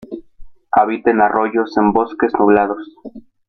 Habita en arroyos en bosques nublados.